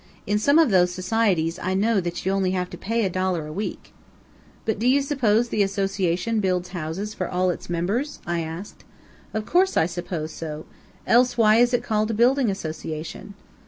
In some of those societies I know that you only have to pay a dollar a week." "But do you suppose the association builds houses for all its members?" I asked. "Of course I suppose so. Else why is it called a building association?"